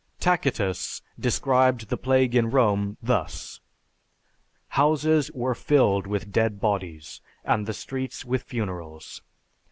Tacitus described the plague in Rome thus: "Houses were filled with dead bodies, and the streets with funerals....